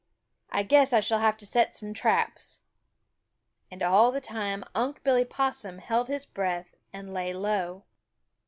I guess I shall have to set some traps." And all the time Unc' Billy Possum held his breath and lay low.